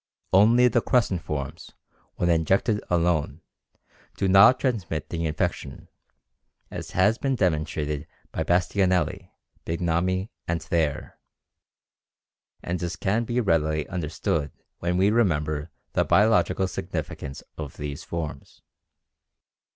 Only the crescent forms, when injected alone, do not transmit the infection, as has been demonstrated by Bastianelli, Bignami and Thayer, and as can be readily understood when we remember the biological significance of these forms.